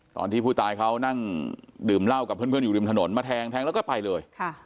ตอนที่ผู้ตายเขานั่งดื่มเหล้ากับเพื่อนอยู่ริมถนนมาแทงแทงแล้วก็ไปเลย